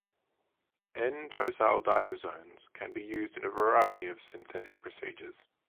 "N"-tosyldydrazones can be used in a variety of synthetic procedures.